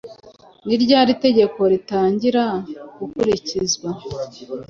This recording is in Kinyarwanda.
Ni ryari itegeko ritangira gukurikizwa?